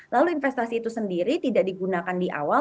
lalu investasi itu sendiri tidak digunakan di awal